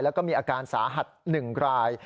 แล้วก็มีอาการสาหัส๑ราย